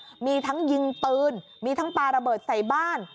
แว๊บเมื่อกี้มีทั้งยิงตืนมีทั้งปลาระเบิดใส่บ้าน